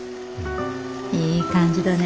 いい感じだね。